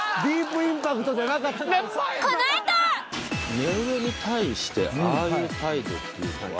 目上に対してああいう態度っていうのは。